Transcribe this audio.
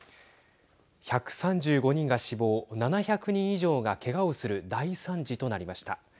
１３５人が死亡７００人以上がけがをする大惨事となりました。